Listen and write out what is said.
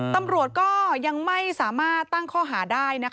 ตำรวจก็ยังไม่สามารถตั้งข้อหาได้